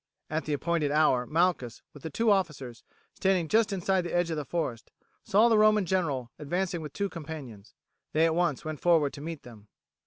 At the appointed hour Malchus, with the two officers, standing just inside the edge of the forest, saw the Roman general advancing with two companions; they at once went forward to meet them.